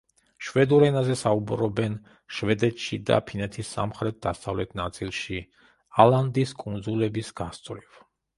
შვედურ ენაზე საუბრობენ შვედეთში და ფინეთის სამხრეთ-დასავლეთ ნაწილში, ალანდის კუნძულების გასწვრივ.